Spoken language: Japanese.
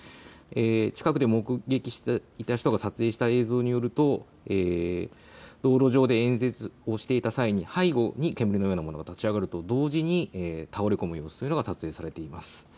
近くで目撃していた人が撮影した映像によると道路上で演説をしていた際に背後に煙のようなものが立ち上がると同時に倒れ込む様子が撮影されています。